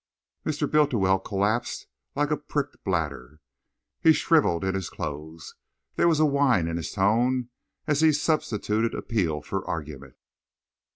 Mr. Bultiwell collapsed like a pricked bladder. He shrivelled in his clothes. There was a whine in his tone as he substituted appeal for argument.